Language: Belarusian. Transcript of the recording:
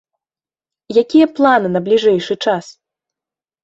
Якія планы на бліжэйшы час?